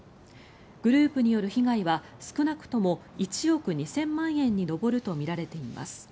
グループによる被害は少なくとも１億２０００万円に上るとみられています。